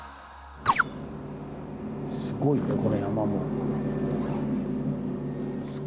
すごいねこの山も。